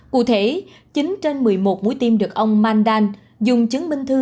cụ thể chín trên một mươi một mũi tiêm được ông mandan dùng chứng minh thư